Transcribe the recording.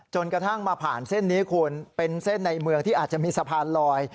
กระทั่งมาผ่านเส้นนี้คุณเป็นเส้นในเมืองที่อาจจะมีสะพานลอย